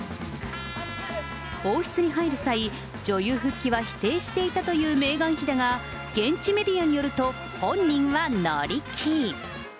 王室に入る際、女優復帰は否定していたというメーガン妃だが、現地メディアによると、本人は乗り気。